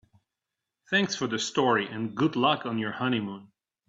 Thanks for the story and good luck on your honeymoon.